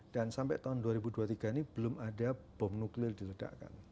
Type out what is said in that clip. dan sampai tahun dua ribu dua puluh tiga ini belum ada bom nuklir diledakkan